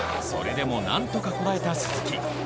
それでもなんとかこらえた鈴木。